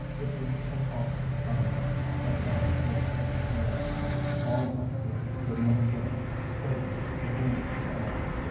It was an awful companion, at last poisoning the air. All that day they never drank, struggling, preferring to die.